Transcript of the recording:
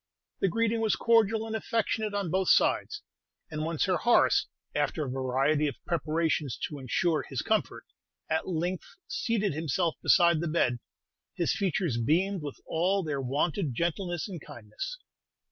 The greeting was cordial and affectionate on both sides; and when Sir Horace, after a variety of preparations to ensure his comfort, at length seated himself beside the bed, his features beamed with all their wonted gentleness and kindness.